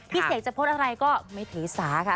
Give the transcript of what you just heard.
พี่เสียจะพูดอะไรก็ไม่เทสาค่ะ